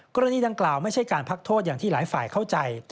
กรณีดังกล่าวไม่ใช่การพักโทษอย่างที่หลายฝ่ายเข้าใจ